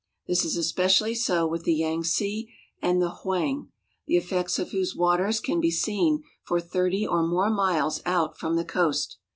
This is especially so with the Yangtze and the Hoan^, the effects of whose waters can be seen for thirty or more miles out from the coast.